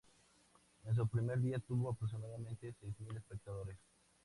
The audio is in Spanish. En su primer día tuvo aproximadamente seis mil espectadores.